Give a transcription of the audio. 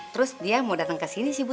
terus dia mau datang ke sini sih bu